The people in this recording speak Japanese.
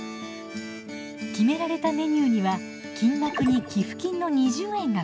決められたメニューには金額に寄付金の２０円がプラスされています。